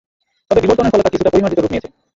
তবে বিবর্তনের ফলে তা কিছুটা পরিমার্জিত রূপ নিয়েছে।